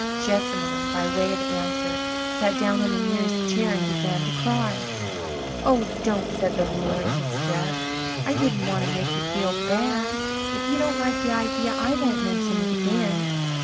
Jessamine, by way of answer, sat down on the nearest chair and began to cry. "Oh, don't," said the wooer in distress. "I didn't want to make you feel bad. If you don't like the idea, I won't mention it again."